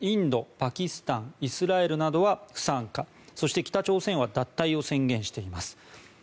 インド、パキスタンイスラエルなどは不参加そして北朝鮮は脱退を宣言しています。